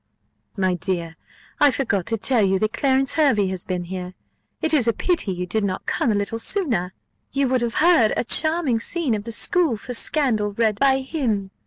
My dear, I forgot to tell you that Clarence Hervey has been here: it is a pity you did not come a little sooner, you would have heard a charming scene of the School for Scandal read by him.